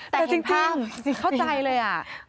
แต่จริงข้าวใจเลย